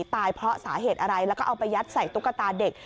ตายเพราะสาเหตุอะไรแล้วก็เอาไปยัดใส่ตุ๊กตาเด็ก